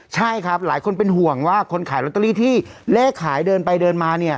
ใช่ครับหลายคนเป็นห่วงว่าคนขายลอตเตอรี่ที่เลขขายเดินไปเดินมาเนี่ย